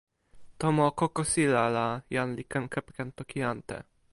tomo kokosila la jan li ken kepeken toki ante.